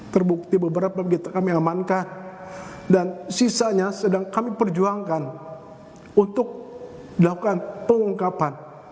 terbukti beberapa kami amankan dan sisanya sedang kami perjuangkan untuk dilakukan pengungkapan